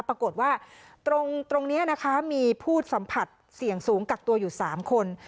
ปรากฏว่าตรงนี้นะคะมีผู้สัมผัสเสี่ยงสูงกักตัวอยู่๓คน